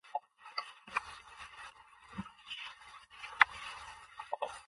Faye Ward and Hannah Farrell of Fable produced and historian Dan Jones executive produced.